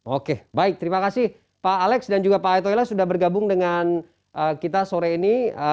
oke baik terima kasih pak alex dan juga pak ae toyla sudah bergabung dengan kita sore ini